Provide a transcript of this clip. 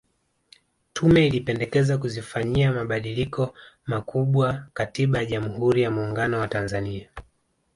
Tume ilipendekeza kuzifanyia mabadiliko makubwa Katiba ya Jamhuri ya Muungano wa Tanzania